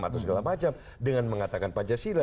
atau segala macam dengan mengatakan pancasila